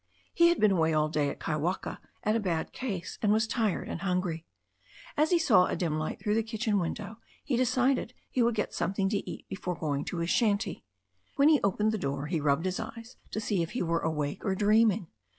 He had been away all day at Kaiwaka at a bad case, and was tired and hungry. As he saw a dim light through the kitchen window he decided he would get something to eat before going to his shanty. When he opened the door he rubbed his eyes to see if he were awake or dreaming.